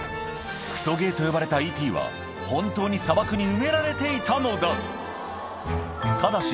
クソゲーと呼ばれた『Ｅ．Ｔ．』は本当に砂漠に埋められていたのだただし